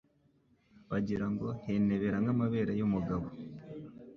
bagira ngo Henebera nk’amabere y’umugabo